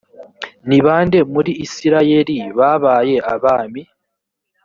ni ba nde muri isirayeli babaye abami